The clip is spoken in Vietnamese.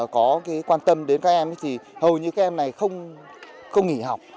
có quan tâm đến các em thì hầu như các em này không nghỉ học